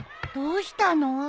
どうしたの？